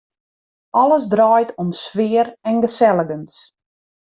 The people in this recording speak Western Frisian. Alles draait om sfear en geselligens.